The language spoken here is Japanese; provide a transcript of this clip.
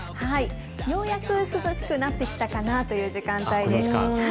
ようやく涼しくなってきたかなという時間帯です。